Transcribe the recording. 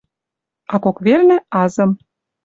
А кок велнӹ — азым.